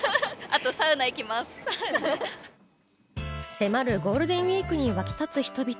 迫るゴールデンウイーク沸き立つ人々。